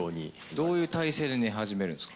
どういう体勢で寝始めるんですか？